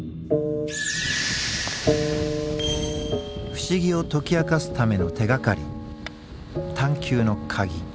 不思議を解き明かすための手がかり